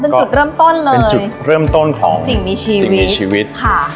เป็นจุดเริ่มต้นเลยเป็นจุดเริ่มต้นของสิ่งมีชีวิต